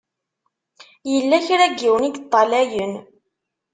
Yella kra n yiwen i yeṭṭalayen.